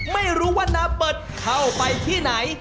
ไม่รู้ว่านาเบิดเข้าไปที่ไหน